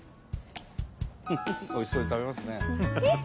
おいしそうに食べますね。